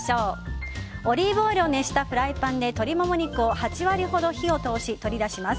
オリーブオイルを熱したフライパンで鶏モモ肉を８割ほど火を通し取り出します。